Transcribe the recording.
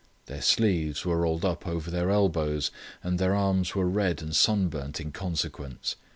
Their sleeves were rolled up over their elbows, and their arms were red and sunburnt in consequence.